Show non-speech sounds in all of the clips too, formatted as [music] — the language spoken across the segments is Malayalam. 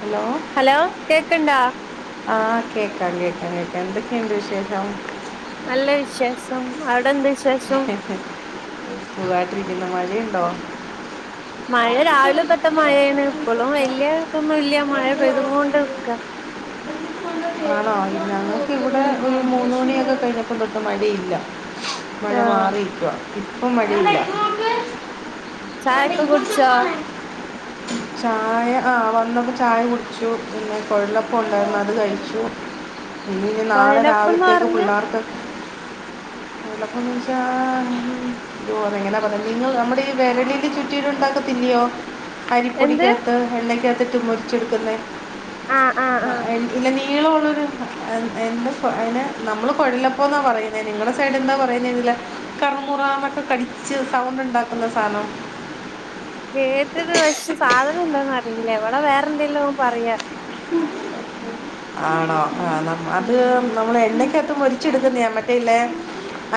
ഹലോ ഹലോ കേക്ക്ണ്ടോ ആഹ് കേക്കാം കേക്കാം കേക്കാം എന്തൊക്കെയുണ്ട് വിശേഷം നല്ല വിശേഷം അവിടെ എന്ത് വിശേഷം സുഖവായിട്ടിരിക്കുന്നു മഴയുണ്ടോ മഴ രാവിലെ തോട്ടെ മഴയാണ് ഇപ്പളും വല്ല്യ ഇതൊന്നും ഇല്ല മഴ പെയ്തും കൊണ്ട് നിക്ക ആണോ ഞങ്ങൾക്ക് ഇവിടെ ഉം ഒരു മൂന്ന് മണിയൊക്കെ കഴിഞ്ഞ കൊണ്ടൊട്ട് മഴയില്ല മഴ ആഹ് മാറിയിക്കുവ ഇപ്പം മഴയില്ല ചായക്കെ കുടിച്ചോ ചായ ആഹ് വന്നപ്പോ ചായ കുടിച്ചു പിന്നെ കൊഴലപ്പം ഉണ്ടായിരുന്നു അത് കഴിച്ചു പിന്ന ഇനി നാളെ കൊഴലപ്പംന്ന് രാവിലത്തേക്ക് പറഞ്ഞ പിള്ളേർക്ക് ഒന്ന്ച്ചാ രൂ എങ്ങനെയാ പറഞ്ഞത് നിങ്ങൾ നമ്മുടെ ഈ വെരളിൽ ചുറ്റിയിട്ടു ഉണ്ടാക്കത്തില്ലിയോ എന്ത് അരിപ്പൊടിക്കത്ത് എണ്ണയ്ക്കത്തിട്ട് മൊരിച്ചെടുക്കുന്നേ ആഹ് ആഹ് ആഹ് ഇല്ല നീളള്ളൊരു എ എന്താ അതിന് നമ്മള് കൊഴലപ്പം പ്പം എന്നാ പറയുന്നത് നിങ്ങടെ സൈഡ് എന്താ പറയ ല്ല കറു മുറന്നൊക്കെ കടിച്ച് സൗണ്ട് ഉണ്ടാക്കുന്ന സാധനം കേട്ടട്ടുണ്ട് പക്ഷെ സാധനം എന്താന്ന് അറിയില്ല എവിടെ വേറെ എന്തെലോ പറയാ ആണോ ആ നാം അത് ഉം നമ്മള് എണ്ണക്കത് ട്ട് മൊരിച്ചെടുക്കുന്നയാ മറ്റേ ഇല്ലേ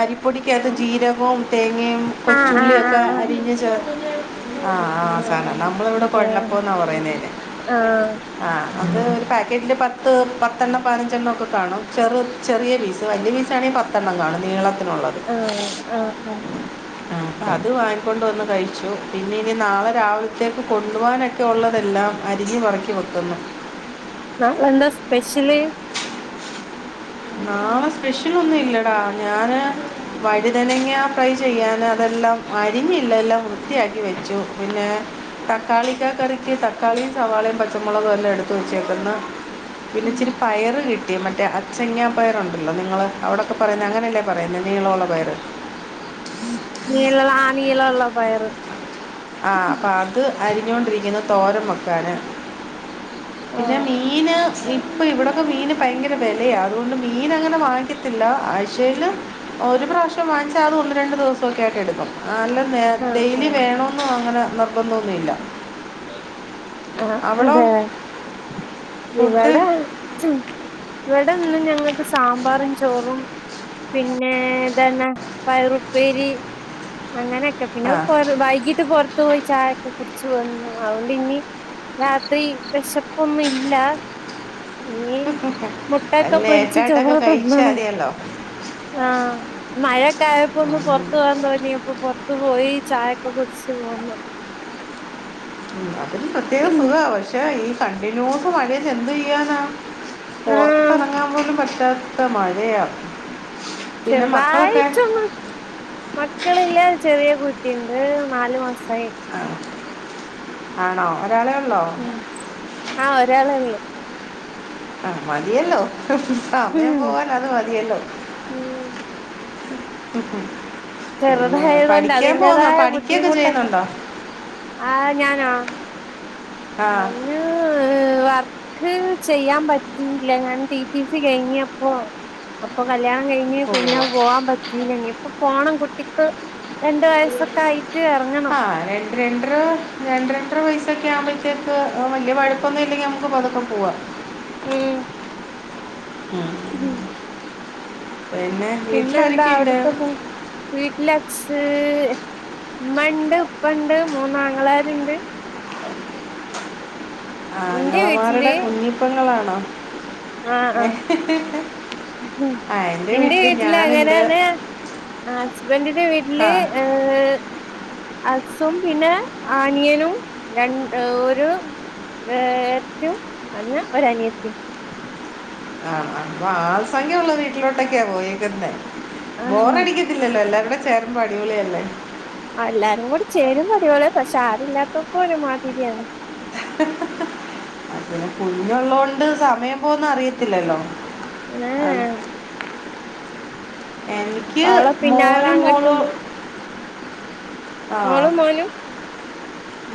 അരിപ്പൊടിക്കകത്ത് ജീരകവും തേങ്ങയും ആഹ് ആഹ് കൊച്ചുള്ളിയൊക് ക്കെ ആഹ് അരിഞ്ഞു ചേർത് ആഹ് ആഹ് സാനം നമ്മളിവിടെ കൊഴലപ്പം എന്നാ പറയുന്നേ അതിന് ആഹ് ആഹ് അത് ഒരു പാക്കറ്റിൽ പത്ത് പത്തെണ്ണം പതിനഞ്ചെണ്ണം ഒക്കെ കാണും ചെറു ചെറിയ പീസ് വലിയപീസ് ആണെങ്കി പത് ത്തെണ്ണം കാണും നീള ആഹ് ആഹ് ഉം ആഹ് അപ്പം അത് വാങ്ങികൊണ്ടു വന്ന് കഴിച്ചു പിന്നെ ഇനി നാളെ രാവിലത്തേക്ക് കൊണ്ടുപോകാൻ എ ക്കെ ഒള്ളതെല്ലാം അരിഞ്ഞു പെറക്കി വെക്കുന്നു നാളെ എന്താ സ്പെഷ്യല് നാളെ സ്പെഷ്യൽ ഒന്നും ഇല്ലടാ ഞാന് വഴുതനങ്ങ ഫ്രൈ ചെയ്യാന് അതെല്ലാം അരിഞ്ഞില്ല എല്ലാം വൃത്തിയാക്കി വെച്ചു പിന്നേ തക്കാളിക്ക കറിക്ക് തക്കാളിയും സവാളയും പച്ചമുളകും എല്ലാം എടുത്ത് വെച്ചേക്കുന്ന് പിന്നെ ഇച്ചിരി പയറ് കിട്ടി മറ്റേ അ ചെങ്ങാ പയറുണ്ടല്ലോ നിങ്ങൾ അവിടൊക്കെ പറയുന്ന അങ്ങനെയല്ലേ പറയുന്നത് നീളമുള്ള പയറ് നീള ആ നീള വുള്ള പയറ് ആഹ് അപ്പൊ അത് അരിഞ്ഞോണ്ടിരിക്കുന്നു തോരാൻ വക്കാന് പിന്നെ ആഹ് മീന് [unintelligible] ഇപ്പൊ ഇവിടൊക്കെ മീന് ഭയങ്കര വിലയാ അതുകൊണ്ട് മീൻ അങ്ങനെ വാങ്ങിക്കത്തില്ല ആഴ്ചയില് ഒരു പ്രാവശ്യം വാങ്ങിച്ചാ അത് ഒന്ന് രണ്ടു ദിവസൊക്കെ ആയിട്ട് എടുക്കും ആഹ് അല്ല ആഹ് ഡെയിലി ആഹ് വേണന്നും അങ്ങനെ നിർബന്ധോന്നുമില്ല ആഹ് അവടെ അതെ ഇവിടെ ഇവിടെ ഇന്ന് ഞങ്ങക്ക് സാമ്പാറും ചോറും പിന്നെ ഇതന്ന പയറുപ്പേരി അങ്ങനെ ക്കെ പിന്നെ ആ വൈകീട്ട് പുറത്തു പോയി ചായൊക്കെ കുടിച്ച് വന്നു അതൊണ്ട് ഇനി രാത്രി വിശപ്പ ഒന്നുല്ല ഇല്ല ഇനി മുട്ടക്ക പൊരിച്ച് ലേറ്റായിട്ടൊക്കെ ചോറ് കഴിച്ചാൽ തിന്നണം മതിയല്ലോ ആഹ മഴക്കെ ആയപ്പോഒന്ന് പുറത്തു പോവാൻ തോന്നിയ പൊറത്ത് പോത്ത് പോയി ചായക്കെ കുടിച്ച് പോന്നു അതിന് പ്രത്യേകം സുഖമാണ് പക്ഷേ ഈ കണ്ടിന്യൂസ് മഴെന്ത്‌ ചെയ്യാനാണ് പുറത്ത് ആഹ് ഇറങ്ങാൻ പോലും പറ്റാത്ത മഴയാ ചെറുതായിട്ട് ഒന്ന് മക്കളല്ലേ ചെറിയ കുട്ടിണ്ട് നാല് മാസമായി ആഹ് ആണോ ഒരാളെ ഉള്ളോ ആഹ് ഒരാളെ ഒള്ളു ആഹ് മതിയല്ലോ സമയം ഉം പോവാൻ അത് മതിയല്ലോ ഉം ഉം മ്മ് ചെറുതായതുകൊണ്ട് അതിന്റതായ പഠിക്കുകയൊക്കെ ബുദ്ധിമുട്ടൊക്കെ ചെയ്യുന്നുണ്ടോ ആ ഞാനോ ആഹ് ഞാന് വർക്ക് ചെയ്യാൻ പറ്റില്ല ഞാൻ ടിടിസി കഴിഞ്ഞിപ്പോ അപ്പൊ കല്യാണം കഴിഞ്ഞ് ഓ പിന്നെ പോവാൻ പറ്റീല്ല ഇനി ഇപ്പൊ പോണം കുട്ട കുട്ടിക്ക് രണ്ട് വയസൊക്കെ ആയിട്ട് ഇറങ്ങണം ആഹ് രണ്ട് രണ്ടര രണ്ട രണ്ടര വയസ്സ് ഒക്കെ ആകുമ്പോഴത്തേക്ക് വലിയ വഴുപ്പമൊന്നും ഇല്ലെങ്കിൽ നമുക്ക് പുറത്ത് പോ പോവാം ഉം ഉം ഉം പിന്നെ പിന്നെ എന്താ വീട്ടിലാരൊക്കെയുണ്ട് അവിടത്തെ വീട്ടില് ഒക്കെ ഉമ്മ ഉണ്ട് ഉപ്പ ഉണ്ട് മൂന്ന് ആങ്ങളാരുണ്ട് ഇന്റെ ആങ്ങളമാരുടെ വീട്ടില് കുഞ്ഞിപ്പെങ്ങളാണോ ഏഹ് ഹ്ഹ് ഹ്ഹ് ഹ്ഹ് ഉം എന്റെ വീട്ടില് ഞാനുണ്ട് അങ്ങനാണ് ഹസ്ബൻഡിന്റെ ആ വീട്ടില് ഏഹ് ഹസ്സും പിന്നെ ആനിയനും രണ്ട് ഒരു ഏറ്റവും അല്ല ഒരു അനിയത്തിയും ആഹ് ആഹ് അപ്പൊ ആൾ സംഖ്യ ഉള്ള വീട്ടിലോട്ടൊക്കെയാ പോയേക്കുന്നെ ആഹ് ബോറടിക്ക ടിക്കത്തില്ലല്ലോ എല്ലാരും ചേരുമ്പോൾ അടിപൊളിയല്ലേ ആഹ് എല്ലാരും കൂടി ചേരുമ്പോ അടിപൊളിയാണ് പക്ഷെ ആരുല്ലാത്തപ്പൊ ഒരുമാതിരിയാണ് ഹ ഹ ഹ ഹ പിന്നെ കുഞ്ഞുള്ളോണ്ട് സമയം പോന്നെ അറിയത്തില്ലല്ലോ ആഹ് ഏഹ് എനിക്ക് അവളെ പിന്നാലെ മോനും അങ്ങട്ടും മോളും ആ മോളും മോനും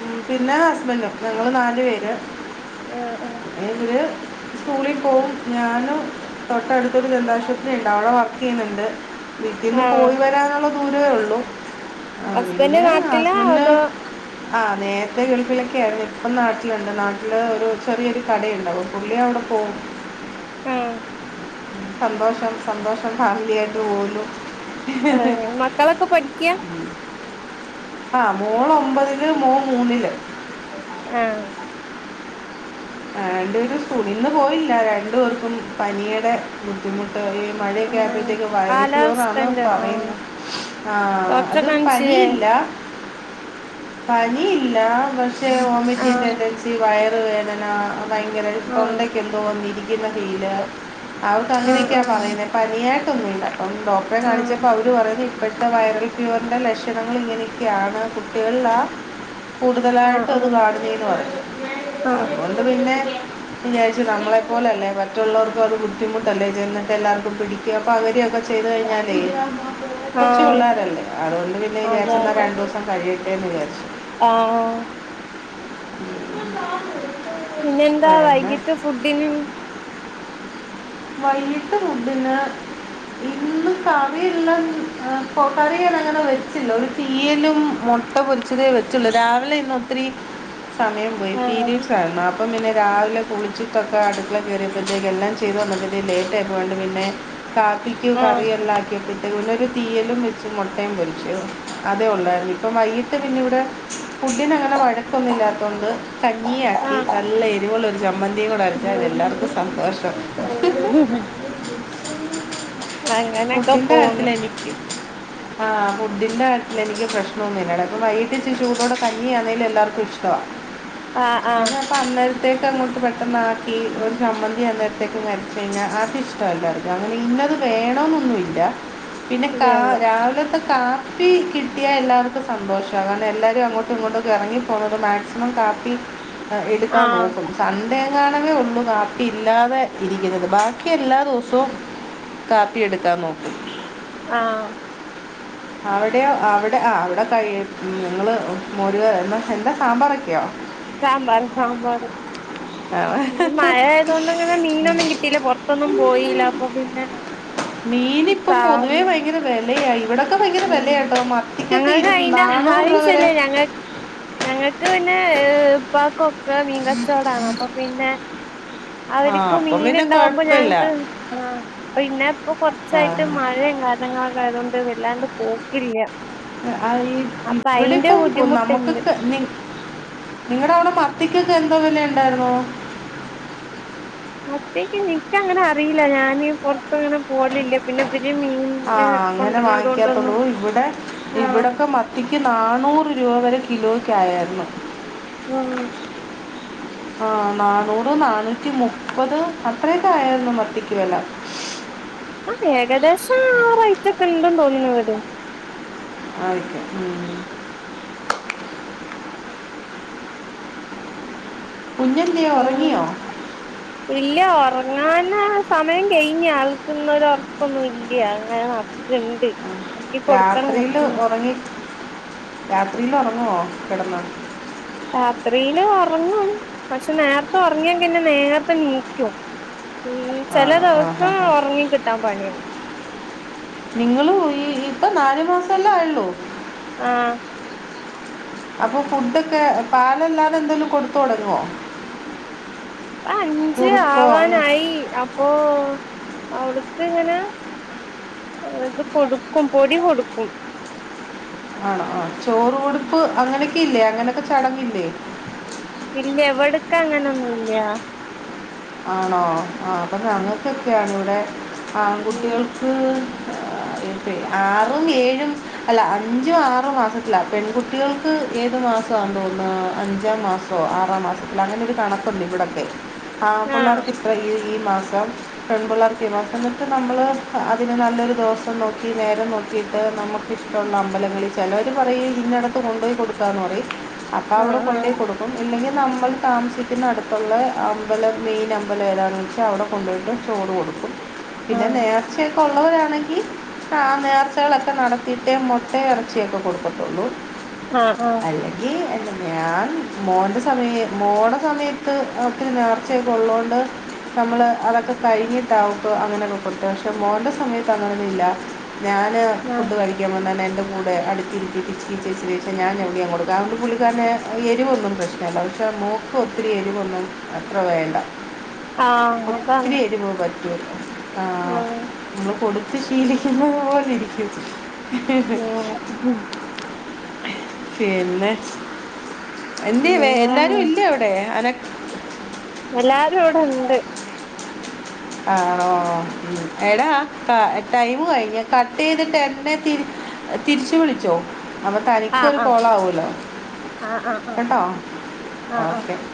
ഉം പിന്നെ ഹസ്ബൻഡും ഞങ്ങള് നാല് പേര് ആഹ് ആഹ് എന്ത് സ്കൂളിൽ പോവും ഞാനും തൊട്ടടുത്തൊരു ദന്താശുപത്രി ഉണ്ട് അവിടെ വർക്ക് ചെയ്യുന്നുണ്ട് വീട്ടിൽന്ന് ആഹ് പോയി വരാനുള്ള ദൂരമേ ഉള്ളു ആ ഹസ്ബൻഡ് പിന്നെ നാട്ടിലാ ഹസ്ബന്ഡ അതോ ആഹ് നേരത്തെ ഗൾഫിലൊക്കെ ആയിരുന്നു ഇപ്പം നാട്ടിലുണ്ട് നാട്ടില് ഒരു ചെറിയൊരു കടയുണ്ട് പുള്ളി അവിടെ പോവും ഉം സന്തോഷം സന്തോഷം ഫാമിലി ആയിട്ട് പോവുന്നു അ മക്കളൊക്കെ പഠിക ആഹ മോള് ഒമ്പതില് മോൻ മൂന്നില് ആ ആ രണ്ടുപേരും സ്കുളിൽ ഇന്ന് പോയില്ല രണ്ടു പേർക്കും പനിയുടെ ബുദ്ധിമുട്ട് ഈ മഴയൊക്കെ ആഹ് ആയപ്പോഴത്തേക്ക് വയറൽഫവർ ആണ് എന്ന് കാലാവസ്ഥന്റെ ആഹ് പറയുന്നത് ആ ഡോക്ടറെ അത് കാണിച്ചില്ലേ പനിയില്ല പനിയില്ല പക്ഷെ ആഹ് ഓമറ്റിങ്ട്ടന്റൻസി വയറ വേദന ഭയങ്കര ആഹ് തൊണ്ടക്ക എന്തോന്നിരിക്കുന്ന ഫീല് അവർക്ക് ആഹ് അങ്ങനെയൊക്കെയാ പറയുന്നത് പനിയ അപ്പം ഡോക്ടറെ ആഹ് കാണിച്ചപ്പോൾ അവർ പറയുന്നത് ഇപ്പോഴത്തെ വയറൽ ഫീവറിന്റെ ലക്ഷണങ്ങൾ ഇങ്ങനെയൊക്കെയാണ് കു കുട്ടികളില കൂടുതലായിട്ട് അത് കാണുന്നേന്ന് പറഞ്ഞു ആ അതുകൊണ്ട് പിന്നെ വിചാരിച്ചു നമ്മളെ പോലല്ലേ മറ്റുള്ളവർക്ക് അത് ബുദ്ധിമുട്ടല്ലേ ചെന്നിട്ട് എല്ലാവർക്കും പി അപ്പൊ പകരാക്കെ ചെയ്തു കഴിഞ്ഞാലേ ആഹ് കൊച്ചു ആഹ് പിള്ളോരല്ലേ അതുകൊണ്ട് പിന്നെ അതെ വിചാരിച്ചന്താ രണ്ടു ദിവസം കഴിയട്ടേന്ന് വിചാരിച്ചു ആ ആ [inaudible] പിന്നെ എന്താ പിന്നെ വൈകിട്ട് ഫുഡിന് വൈകിട്ട് ഫഡിന് ഇന്ന് കറിയല്ലാം കറി അങ്ങനെ വെച്ചില്ലോ ഒ തീയ്യലും മുട്ട പൊരിച്ചതേ വെച്ചുള്ളു രാവിലെ ഇന്ന ഒത്തിരി സമയം പോയി ആഹ് പിരിയഡ്‌സ് ആയിരുന്നു അ അപ്പം പിന്നെ രാവിലെ കുളിച്ചിട്ടൊക്കെ അടുക്കള കയറിയപ്പോഴത്തേക്ക എല്ലാം ചെയ്തു വന്നെ ലേറ്റ് ആയി പോണ്ട് പിന്നെ കാപ്പിക്ക് ആഹ് കറിയും എല്ലാം ആക്കിട്ട് [unintelligible] തീയ്യലും വെച്ചു മുട്ടയും പൊരിച്ചോ അതേ ഉള്ളായിരുന്നു ഇപ്പം വൈകിട്ട് പിന്നെ ഇവിടെ ഫുഡിന് അങ്ങനെ വഴക്കൊന്നും ഇല്ലാത്തോണ്ട് കഞ്ഞിയാക്കി ആഹ് നല്ല എരിവുള്ള ഒരു ചമ്മന്തിയും കൂടെ അരച്ചാ അത് എല്ലാവർക്കും സന്തോഷം ഹം ഹം അങ്ങനൊക്കെ ഫുഡിന്റെ കാര്യത്തിൽ പോണു എനിക്ക് ആ ഫുഡിൻ്റെ കാര്യത്തിൽ എനിക്ക് പ്രശ്നമൊന്നുമില്ല അപ്പം വൈകിട്ട് ചൂടോടെ കഞ്ഞി ആണേങ്കില്ലും എല്ലാവർക്കും ഇഷ്ടമാ ആഹ ആഹ അന്നേരത്തേക്ക് അങ്ങോട്ട് പെട്ടെന്ന് ആക്കി ഒരു ചമ്മന്തി അന്നേരത്തേക്ക് മതി പിന്നെ അത് ഇഷ്ടമല്ലാ [unintelligible] ഇന്നത് വേണന്നൊന്നുമില്ല പിന്നെ കാ ഇല്ലല്ല രാവിലത്തെ കാ കാപ്പി കിട്ടിയാ എല്ലാവർക്കും സന്തോഷമാണ് കാരണം എല്ലാരും അങ്ങോട്ടും ഇങ്ങോട്ടുംക്കെ ഇറങ്ങി പോന്നത് മാക്സിമം കാപ്പി എടുക്കാൻ ആഹ് നോക്കും സൺ‌ഡേ എങ്ങനും ഒള്ളു കാപ്പി ഇല്ലാതെ ഇരി ബാക്കി എല്ലാ ദിവസവും കാപ്പി എടുക്കാൻ നോക്കി ആ അവിടെയോ അവിടെ ആ അവിടെ ക നിങ്ങൾ മോരുകറി എന്താ സാമ്പാറൊക്കെയോ സാമ്പർ സാമ്പാർ ഇന്ന് മഴ ആയതൊണ്ട് ഇങ്ങനെ മീനൊന്നും കിട്ടീയില്ല പുറത്തൊന്നും പോയില്ല അപ്പൊ പിന്നെ മീൻ ഇപ്പം സാ പൊതുവേ ഭയങ്കര വിലയായി ഇവിടെക്കെ ഭയകര ഉം ഞങ്ങൾക്ക് കയിന്റെ നാനൂറ് രൂപ വരെ ആവിശല്ലേ ഞങ്ങൾ ഞങ്ങൾക്ക് പിന്നെ ഉപ്പാക്കൊക്കെ മീൻകച്ചോടാണ് അപ്പൊ പിന്നെ ആ അവർക്ക് അപ്പം മീൻ പിന്നെ ഉണ്ടാവുമ്പോ കുഴപ്പമില്ല ഞങ്ങക്ക് ആ പിന്നെ ഇപ്പൊ ആ, കൊറച്ചായിട്ട് മഴയും കാരങ്ങളൊക്കെ ആയതൊണ്ട് വല്ലാണ്ട് പോക്കില്ല [unintelligible] അപ്പൊ അയിന്റെ ഇവിടെപ്പം നമുക്ക് ബുദ്ധിമുട്ടുണ്ട് [unintelligible] നിങ്ങളുടെ അവിടെ മത്തിക്കൊക്കെ എന്തോ വിലുണ്ടായിരുന്നോ മത്തിക്ക്, നിനിക്ക അങ്ങനെ, അറിയില്ല ഞാന്, പൊറത്ത അങ്ങനെ, പോലില്ല, പിന്നെ ഇതി മീൻ ആഹ്, അങ്ങനെ വാങ്ങിക്കാത്തുള്ളൂ, ഇവിടെ ആഹ് ഇവിടെക്കെ ത്തിക്ക്, നന്നൂറ് രൂപ വരെ, കിലോയ്ക്കായരുന്നു. ഉം. [inaudible] ആഹ് ന്നാന്നൂറ് ന്നാനൂറ്റി മുപ്പത് അത്രേക്കായിര്ന്നു മത്തിക്ക് വെല. ആ ഏകദേസ ആ റൈറ്റൊക്കെണ്ട് തോന്നണവടെം. ആയിക്കെ ഉം. പുഞൽ. ഉം. ഇല്ല ഒറങ്ങാന സമയം കെയ്ഞ്ഞ ആൾക്ക്ന്നൊരൊർക്കൊന്നു ഇല്ല്യ ങ്ങന നട് ക്ക്ണ്ട് ർക്കി കൊട്ക്കണം കൊർച്ച രാത്രിയിലൊറങ്ങുവോ കെടന്ന്? രാത്രിയില് ഒറങ്ങും പക്ഷെ നേർത്തെ ഒർങ്ങിയാങ്ങന്നെ നേർത്തെ നീക്ക്യും. ഉം ചെല ആണോ ആ ഹാ ദിവ്സം ഹാ ഒർങ്ങിക്കിട്ടാം പണ്യന്ന്. നിങ്ങളു ഈ ഇപ്പ നാലു മാസല്ലായൊള്ളൂ. ആഹ്. അപ്പൊ ഫുഡൊക്കെ പാലല്ലാതെ ന്തെലും കൊടുത്തു തൊടങ്ങുവോ? ആ അഞ്ച് ആവാനായി അപ്പോ അവൾക്ക്ങ്ങന. അത് കൊടുക്കും പൊടി കൊടുക്കും. ആണോ ആഹ് ചോറ് കൊടുപ്പ് അങ്ങനെക്കെ ഇല്ലേ അങ്ങനെക്കെ ചടങ്ങില്ലേ? ഇല്ല ഇവിട്ക്കങ്ങനൊന്നു ല്ല. ആണോ ആഹ് പ്പ ഉം ഞങ്ങക്കൊക്ക്യാണ് വടെ ഉം ആക്കുട്ടയേൾക്ക് അ ഇട്ടെ ആറും ഏഴും അല്ല അഞ്ചു ആറു മാസത്തില പെൺകു ട്ടികൾക്ക് ഏത് മാസമാ തോന്നുന്ന അഞ്ചാം മാസോ ആറാം മാസത്തിലങ്ങനെരു കണക്കുണ്ട് ഇവിടെക്കെ. ആഹ് പുള്ളർക് ത്ര ഈ ഈ മാസം പെൺപുള്ളർക്കി ഈ മാസം ന്നട്ട് ന്നമ്മള് അതിന് നല്ലൊരു ദിവസം നോക്കി നേരം നോ ക്കിട്ട് നമുക്ക്ഷ്ടള്ള അമ്പലങ്ങിൽ ചെലോര് പറയി ഇന്നട്ത്ത് കൊണ്ടോയി കൊടുക്കാന്ന് പറയി അപ്പവ്ടെ ആഹ് കൊണ്ടെയി കൊടുക്കും ഇല്ലെങ്കി നമ്മൾ താമസിക്കുന്ന അടുത്തുള്ളെ മ്പലം മെയിൻ അമ്പലം ഏതാണെന്ന് വെച്ചാ അവിടെ കൊണ്ടോയിട്ട് ചോറ് കൊടുക്കും പിന്നെ ആഹ് നേർ ച്ചെ ക്കൊള്ളവരാണെങ്കി. ആഹ് നേർച്ചകളൊക്കെ നടത്തിയിട്ടേ മുട്ടെ എറച്ചിയൊക്കെ കൊടുക്കത്തുള്ളൂ. ആഹ് ആഹ്. അല്ലെങ്കി ഞാൻ മോൻ്റെ സമയ മോടെ സമയത്ത് അവക്കൊരു നേർ ച്ചേ കൊള്ളോണ്ട്. നമ്മള് അതൊക്കെ കഴിഞ്ഞിട്ടവക്ക് അങ്ങനെന്നു കൊട്ത്തെ ക്ഷെ മോന്റെ സമയത്ത് അങ്ങനന്നു ഇല്ല. ഞാനാ ആഹ് ഫുഡ് കഴി ക്ക്യ വന്നനെൻ്റെ കൂടെ അടുത്തിര്ത്തിറ്റ് ഇച്ചിരിച്ചെ ഇച്ച്രിച്ചെ ഞാ ഞവ്ട്യ കൊടുക്ക അഉണ്ട് പുള്ളിക്കാര്നെ എരിപൊന്നും പ്രഷ് നല്ല പക്ഷെ മോക്ക് ഒത്തിരി എരിവൊന്നും അത്ര വേണ്ട. ആഹ് പ്പം അതാണ് ഒത്തിരി ഏരിവ് പ ആഹ് മ്മള് കൊടുത്ത് ശീലിക്കുന്നത് പോലിരിക്യും ആഹ് ഹും. പിന്നെ എന്വേ വേ എല്ലാരും ആഹ് ഇല്ലേ വിടെ അന എല്ലാരു വടെണ്ട്. ആണോ ഉം എടാ ക ടൈമ് കയ്ഞ്ഞ കട്ടെയ്തിട്ട് എട്നെ തി അ തിര്ച്ചു വിളിച്ചോ? അപ്പ ആഹ് തനിക്കൊരു ആഹ് കോളാവൂലോ ആഹ് ആഹ് കെട്ടോ ആഹ് ആഹ് ഓക്കെ.